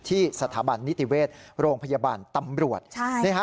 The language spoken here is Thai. ที่สถาบันนิติเวชโรงพยาบาลตำรวจ